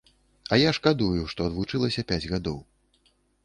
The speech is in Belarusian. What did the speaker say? А я шкадую, што адвучылася пяць гадоў.